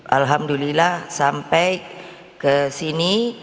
alhamdulillah sampai ke sini